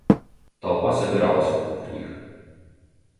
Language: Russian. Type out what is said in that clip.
Толпа собиралась вокруг них.